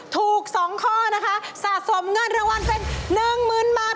ถูก๒ข้อนะคะสะสมเงินระหว่างเป็น๑หมื่นมาก